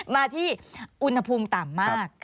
มาที่อุณหภูมิต่ำมาก